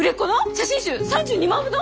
写真集３２万部の！？